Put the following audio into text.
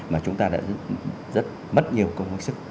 mà chúng ta đã rất mất nhiều công sức